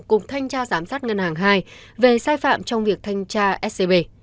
cục thanh tra giám sát ngân hàng hai về sai phạm trong việc thanh tra scb